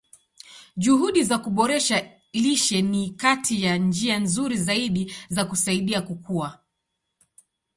Juhudi za kuboresha lishe ni kati ya njia nzuri zaidi za kusaidia kukua.